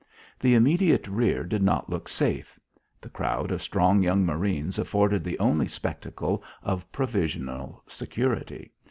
The immediate rear did not look safe. The crowd of strong young marines afforded the only spectacle of provisional security.